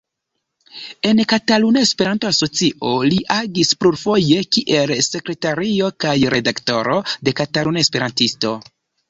En Kataluna Esperanto-Asocio li agis plurfoje kiel sekretario kaj redaktoro de "Kataluna Esperantisto".